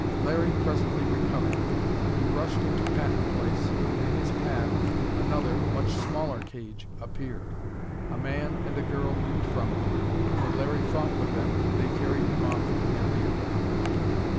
Larry presently recovered. He rushed into Patton Place, and in his path another, much smaller cage appeared. A man and a girl leaped from it; and, when Larry fought with them, they carried him off in their vehicle.